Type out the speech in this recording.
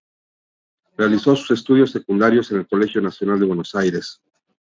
Realizó sus estudios secundarios en el Colegio Nacional Buenos Aires.